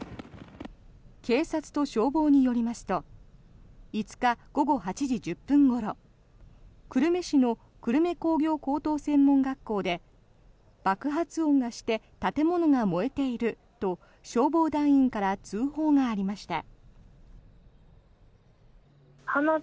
警察と消防によりますと５日午後８時１０分ごろ久留米市の久留米工業高等専門学校で爆発音がして建物が燃えていると消防団員から通報がありました。